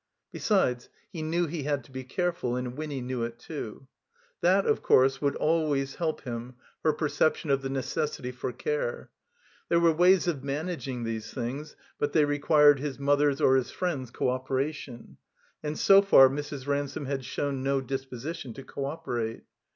Besides, he knew he had to be careful, and Winny knew it too. That, of course, would always help him, her perception of the necessity fo. care. There were ways of managing these things, but they re quired his mother's or his friends' 20 operation; and so far Mrs. Ransome had shown > disposition to co operate.